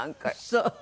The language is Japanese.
そう。